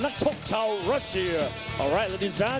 ทุกคนสวัสดี